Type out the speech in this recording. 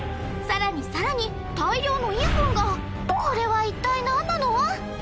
さらにさらに大量のイヤホンがこれは一体何なの？